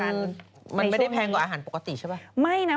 มันไม่ได้แพงกว่าอาหารปกติใช่ไหม